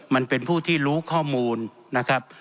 มันเป็นผู้ที่รู้ข้อมูลนะครับ